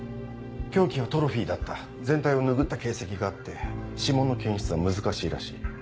凶器はトロフィーだった全体を拭った形跡があって指紋の検出は難しいらしい。